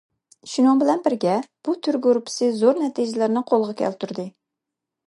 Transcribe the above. شۇنىڭ بىلەن بىرگە، بۇ تۈر گۇرۇپپىسى زور نەتىجىلەرنى قولغا كەلتۈردى.